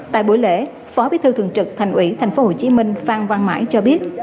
tại buổi lễ phó bí thư thường trực thành ủy tp hcm phan văn mãi cho biết